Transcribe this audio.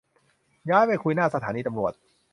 ย้ายไปคุยหน้าสถานีตำรวจ